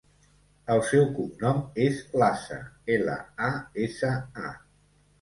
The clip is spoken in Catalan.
El seu cognom és Lasa: ela, a, essa, a.